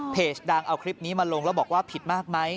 ดังเอาคลิปนี้มาลงแล้วบอกว่าผิดมากไหม